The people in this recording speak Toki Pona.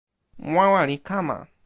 wawa li kama.